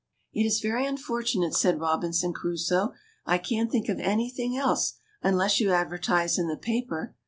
^^It is very unfortunate," said Robinson Crusoe. I can't think of anything else, unless you advertise in the paper.